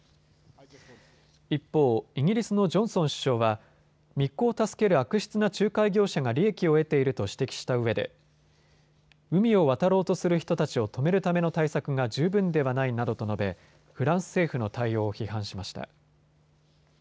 一方、イギリスのジョンソン首相は密航を助ける悪質な仲介業者が利益を得ていると指摘したうえで海を渡ろうとする人たちを止めるための対策が十分ではないなどと述べフランス政府の対応を批判しました。